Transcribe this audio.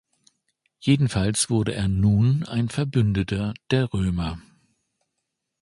Jedenfalls wurde er nun ein Verbündeter der Römer.